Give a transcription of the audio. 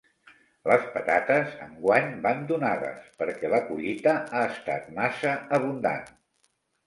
Les patates enguany van donades, perquè la collita ha estat massa abundant.